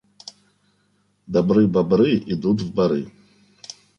Добры бобры идут в боры.